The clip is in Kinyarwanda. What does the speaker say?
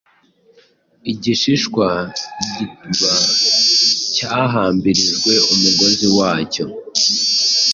Igishishwa -igituba cyahambirijwe umugozi wacyo